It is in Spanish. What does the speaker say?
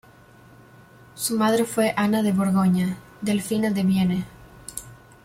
Su madre fue Ana de Borgoña, delfina de Vienne.